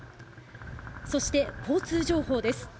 そして交通情報です。